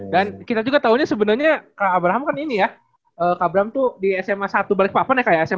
dan kita juga taunya sebenarnya kak abraham kan ini ya kak abraham tuh di sma satu balik papuan ya kak ya sma nya ya